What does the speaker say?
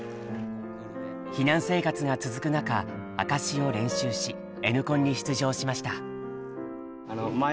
避難生活が続く中「証」を練習し「Ｎコン」に出場しました。